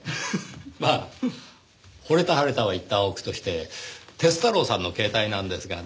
まあ惚れた腫れたはいったんおくとして鐵太郎さんの携帯なんですがねぇ。